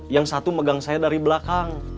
yang satu megang saya dari belakang